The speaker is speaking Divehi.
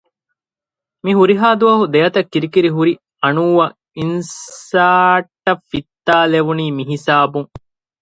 މިހުރިހާ ދުވަހު ދެއަތަށް ކިރިކިރި ހުރި އަނޫއަށް އިންސާރޓަށް ފިތާލެވުނީ މިހިސާބުން